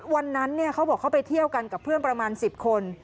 วันนั้นเขาบอกเขาไปเที่ยวกันกับเพื่อนประมาณ๑๐คน